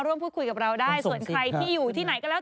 ร่วมพูดคุยกับเราได้ส่วนใครที่อยู่ที่ไหนก็แล้ว